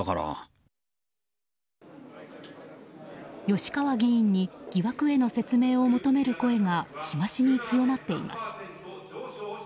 吉川議員に疑惑への説明を求める声が日増しに強まっています。